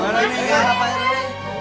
selamat tinggal pak erwang